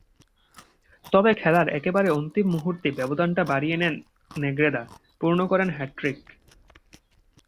তবে খেলার একেবারের অন্তিম মুহূর্তে ব্যবধানটা বাড়িয়ে নেন নেগ্রেদো, পূর্ণ করেন হ্যাটট্রিক।